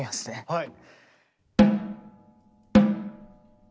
はい。